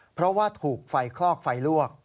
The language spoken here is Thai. เพราะว่าถูกไฟคลอกไฟลวก